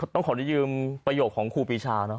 ต้องขอทฤยืมประโยคของครูบีชาเนอะ